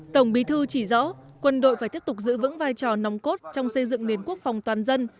tổng bí thư chỉ rõ quân đội phải tiếp tục giữ vững vai trò nòng cốt trong xây dựng nền quốc phòng toàn dân